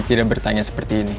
tidak bertanya seperti ini